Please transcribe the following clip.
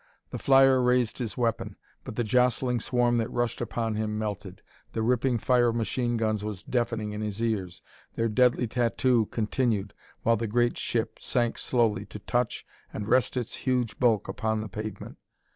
The flyer raised his weapon, but the jostling swarm that rushed upon him melted: the ripping fire of machine guns was deafening in his ears. Their deadly tattoo continued while the great ship sank slowly to touch and rest its huge bulk upon the pavement.